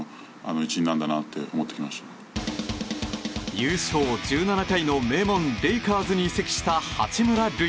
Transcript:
優勝１７回の名門レイカーズに移籍した八村塁。